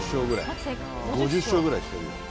５０勝くらいしてる？